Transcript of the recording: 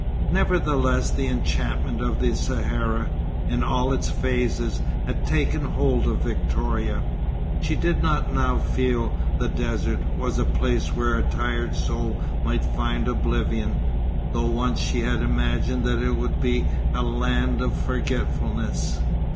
Nevertheless the enchantment of the Sahara, in all its phases, had taken hold of Victoria. She did not now feel that the desert was a place where a tired soul might find oblivion, though once she had imagined that it would be a land of forgetfulness.